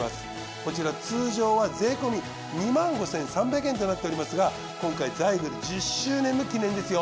こちら通常は税込２５，３００円となっておりますが今回ザイグル１０周年の記念ですよ。